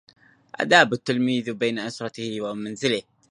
آداب التلميذ بين أسرته وفي منزله